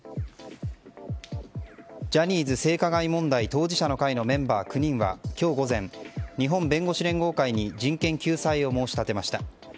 ジャニーズ性加害問題当事者の会のメンバー９人は今日午前日本弁護士連合会に人権救済を申し立てました。